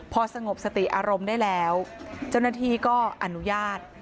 พอสงบสติอารมณ์ได้แล้วเจ้าหน้าที่ก็อนุญาต